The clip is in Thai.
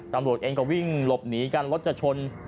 ตำรวจเองก็วิ่งหลบหนีกันรถจะชน